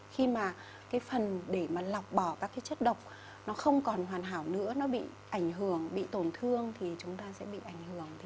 khi mà cái phần để lọc bỏ các cái chất độc nó không còn hoàn hảo nữa nó bị ảnh hưởng bị tổn thương thì chúng ta sẽ bị ảnh hưởng